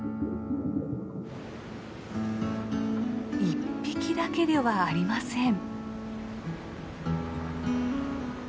一匹だけではありません。